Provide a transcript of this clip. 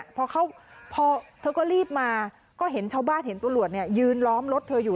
พอเธอก็รีบมาก็เห็นชาวบ้านเห็นตำรวจยืนล้อมรถเธออยู่